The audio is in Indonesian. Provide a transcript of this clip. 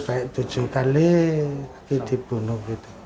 sampai tujuh kali dibunuh gitu